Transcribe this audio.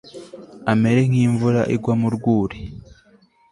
amere nk'imvura igwa mu rwuri